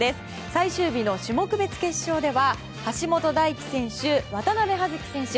最終日の種目別決勝では橋本大輝選手、渡部葉月選手